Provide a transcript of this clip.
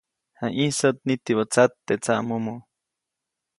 Jayĩsäʼt nitibä tsat teʼ tsaʼmomo.